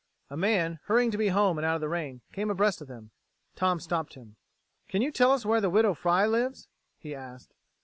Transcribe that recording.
A man, hurrying to be home and out of the rain, came abreast of them. Tom stopped him. "Can you tell us where the Widow Fry lives?" he asked.